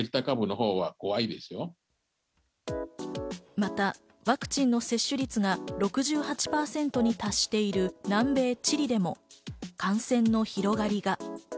またワクチンの接種率が６８％に達している南米チリでも感染の広がりが。